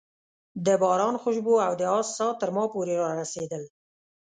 د باران خوشبو او د آس ساه تر ما پورې رارسېدل.